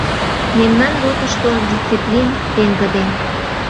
Мемнан ротышто дисциплин пеҥгыде...